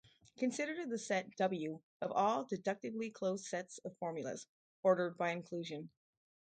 Consider the set "W" of all deductively closed sets of formulas, ordered by inclusion.